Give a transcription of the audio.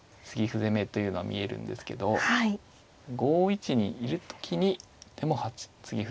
攻めというのは見えるんですけど５一にいる時に継ぎ歩